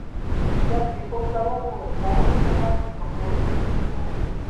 Лясы паўз дарогу нерухома вартавалі спакой восені.